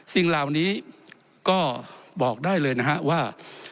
สิ่งเหล่านี้ก็บอกได้เลยนะฮะว่า